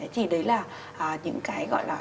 thì đấy là những cái gọi là